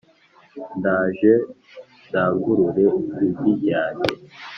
ndaje ndangurure ijwi ryange